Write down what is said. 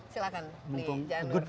silahkan beli janur